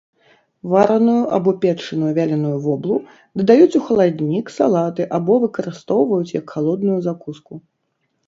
Вараную або печаную вяленую воблу дадаюць у халаднік, салаты або выкарыстоўваюць як халодную закуску.